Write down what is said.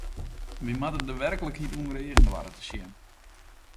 Wy moatte de werklikheid ûnder eagen doare te sjen.